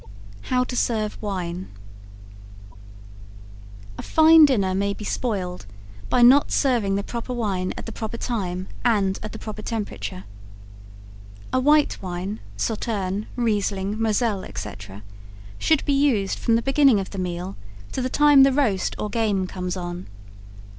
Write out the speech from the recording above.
HOW TO SERVE WINE. A fine dinner may be spoiled by not serving the proper wine at the proper time and at the proper temperature. A white wine (Sauterne, Riesling, Moselle, etc.) should be used from the beginning of the meal to the time the roast or game comes on.